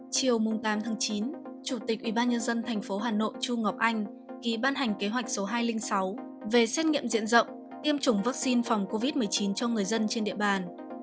chiều tám chín chủ tịch ubnd tp hà nội chu ngọc anh ký ban hành kế hoạch số hai trăm linh sáu về xét nghiệm diện rộng tiêm chủng vaccine phòng covid một mươi chín cho người dân trên địa bàn